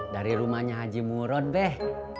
dari rumahnya haji murun deh